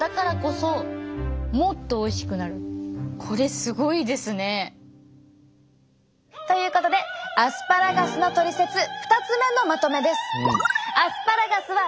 これすごいですね。ということでアスパラガスのトリセツ２つ目のまとめです。